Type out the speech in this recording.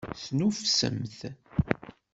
Snuffsemt!